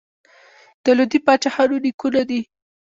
د لودي پاچاهانو نیکونه دي.